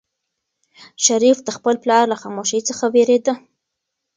شریف د خپل پلار له خاموشۍ څخه وېرېده.